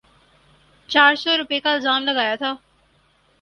چار سو روپے کا الزام لگایا تھا۔